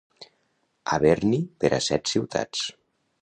Haver-n'hi per a set ciutats.